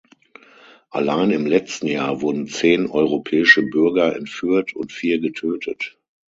Allein im letzten Jahr wurden zehn europäische Bürger entführt und vier getötet.